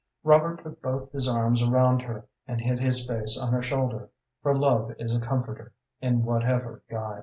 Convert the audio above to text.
Robert put both his arms around her and hid his face on her shoulder, for love is a comforter, in whatever guise.